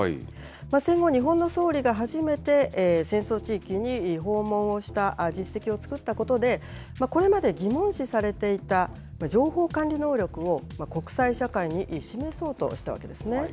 戦後日本の総理が初めて戦争地域に訪問をした実績を作ったことでこれまで疑問視されていた情報管理能力を国際社会に示そうとしたわけですね。